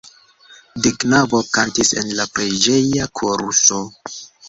De knabo kantis en la preĝeja koruso.